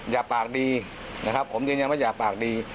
อยากปากดีนะครับผมยืนยันว่าอย่าปากดี